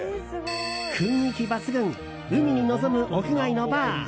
雰囲気抜群、海に臨む屋外のバー。